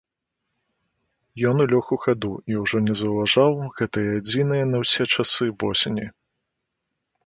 Ён улёг у хаду і ўжо не заўважаў гэтае адзінае на ўсе часы восені.